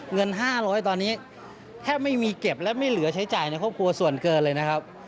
เงิน๕๐๐ตอนนี้แทบไม่มีเก็บและไม่เหลือใช้จ่ายในครอบครัวส่วนเกินเลยนะครับ